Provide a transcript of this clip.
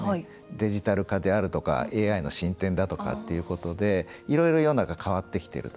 デジタル化であるとかＡＩの進展だとかっていうことでいろいろ世の中変わってきてると。